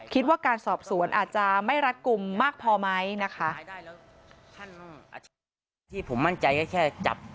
คิดว่าการสอบสวนอาจจะไม่รัดกลุ่มมากพอไหมนะคะ